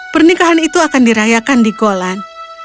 pernikahan itu akan dirayakan di golan